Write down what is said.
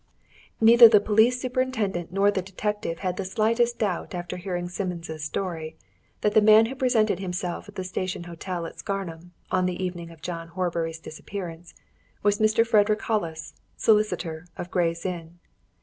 Neither the police superintendent nor the detective had the slightest doubt after hearing Simmons' story that the man who presented himself at the Station Hotel at Scarnham on the evening of John Horbury's disappearance was Mr. Frederick Hollis, solicitor, of Gray's Inn.